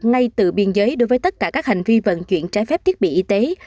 ngay từ biên giới đối với tất cả các hành vi vận chuyển trái phép thiết bị y tế